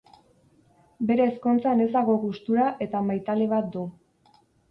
Bere ezkontzan ez dago gustura eta maitale bat du.